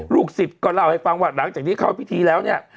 ลูกศิษย์ก็เล่าให้ฟังว่าหลังจากที่เข้าพิธีแล้วเนี่ย